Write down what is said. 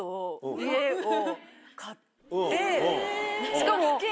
しかも。